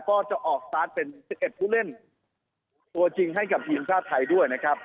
ก็จะออกสตาร์ทเป็น๑๑ผู้เล่นตัวจริงให้กับทีมชาติไทยด้วยนะครับ